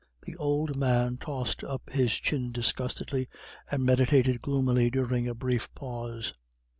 The old man tossed up his chin disgustedly, and meditated gloomily during a brief pause.